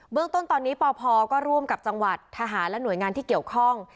เรื่องต้นตอนนี้ปพก็ร่วมกับจังหวัดทหารและหน่วยงานที่เกี่ยวข้อง